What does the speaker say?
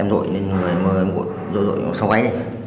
em dội lên rồi mơ em dội dội sau ấy